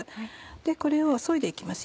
でこれをそいで行きます